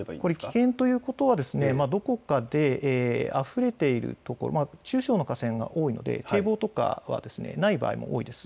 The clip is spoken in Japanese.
危険ということは、どこかであふれているところ、中小の河川が多いので、堤防とかがない場合が多いです。